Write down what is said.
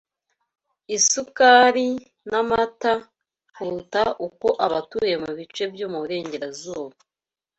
isukari, n’amata, kuruta uko abatuye mu bice byo mu Burengerazuba